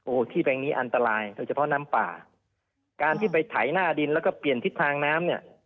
โอ้โหที่แปลงนี้อันตรายโดยเฉพาะน้ำป่าการที่ไปไถหน้าดินแล้วก็เปลี่ยนทิศทางน้ำเนี่ย